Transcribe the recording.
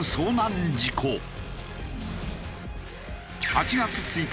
８月１日。